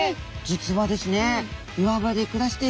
実はですね